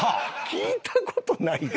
聞いた事ないで？